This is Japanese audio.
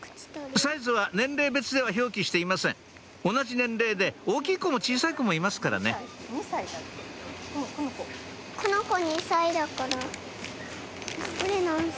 サイズは年齢別では表記していません同じ年齢で大きいコも小さいコもいますからね２歳だってこのコ。